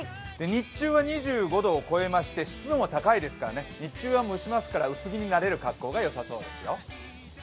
日中は２５度を超えまして、湿度も高いですから日中は蒸しますから、薄着になれる格好がよさそうですよ。